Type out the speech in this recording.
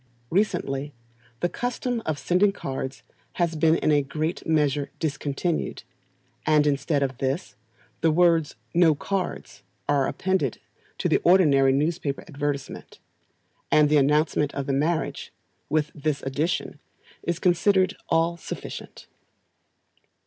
Recently, the custom of sending cards has been in a great measure discontinued, and instead of this, the words "No cards" are appended to the ordinary newspaper advertisement, and the announcement of the marriage, with this addition, is considered all sufficient.